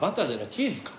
チーズか。